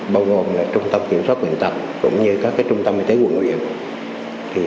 bao gồm trung tâm kiểm soát quyền tập cũng như các trung tâm y tế quân nội dịch